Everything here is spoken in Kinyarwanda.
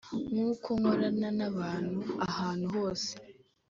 nkuko nkorana n'abantu ahantu hose;